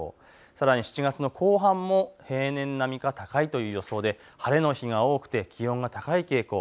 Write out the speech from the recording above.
さらに７月の後半も平年並みか高いという予想で晴れの日が多くて気温が高い傾向。